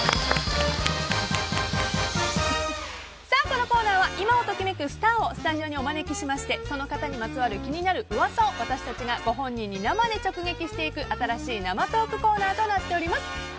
このコーナーは今を時めくスターをスタジオにお招きしましてその方にまつわる気になるうわさを私たちがご本人に生で直撃していく新しい生トークコーナーとなっております。